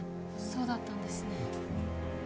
そうだったんですね